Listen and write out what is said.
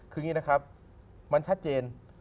คืออย่างนี้นะครับมันชัดเจน